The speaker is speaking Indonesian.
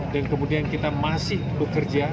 dan kemudian kita masih bekerja